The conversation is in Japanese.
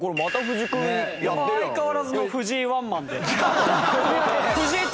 相変わらずの藤井ワンマンで。